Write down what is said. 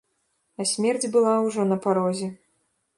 А смерць была ўжо на парозе.